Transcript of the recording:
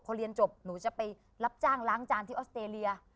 พอเรียนจบหนูจะไปรับจ้างล้างจานที่ออสเตรเลีย